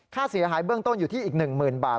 ค่าเสียหายเบื้องต้นอยู่ที่อีก๑๐๐๐บาท